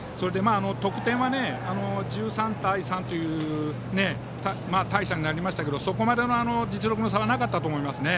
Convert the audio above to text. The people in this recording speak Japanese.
得点は１３対３という大差になりましたけどそこまでの実力の差はなかったと思いますね。